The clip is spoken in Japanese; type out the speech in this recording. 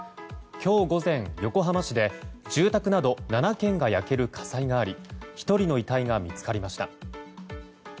今日午前、横浜市で住宅など７軒が焼ける火災があり１人の遺体が見つかりました。